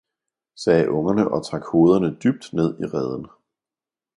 sagde ungerne, og trak hovederne dybt ned i reden.